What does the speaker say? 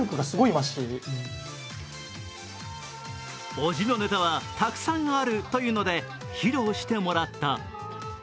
おじのネタはたくさんあるというので、披露してもらった。